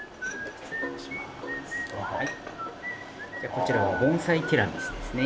こちらが盆栽ティラミスですね。